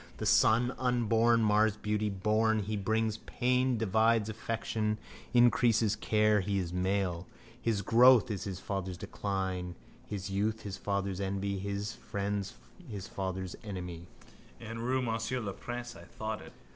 The son unborn mars beauty: born, he brings pain, divides affection, increases care. He is a new male: his growth is his father's decline, his youth his father's envy, his friend his father's enemy. In rue Monsieur le Prince I thought it.